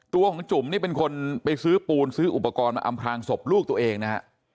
ตัวของจุ๋มนี่เป็นคนไปซื้อปูนซื้ออุปกรณ์มาอำพลางศพลูกตัวเองนะฮะ